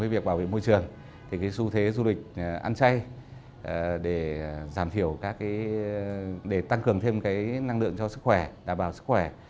với việc bảo vệ môi trường thì cái xu thế du lịch ăn chay để giảm thiểu các cái để tăng cường thêm năng lượng cho sức khỏe đảm bảo sức khỏe